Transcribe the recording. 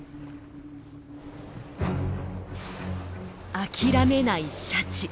諦めないシャチ。